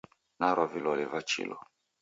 Narwa vilole va chilu.